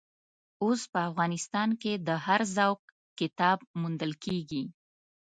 اوس په افغانستان کې د هر ذوق کتاب موندل کېږي.